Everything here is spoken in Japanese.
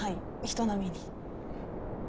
人並みに。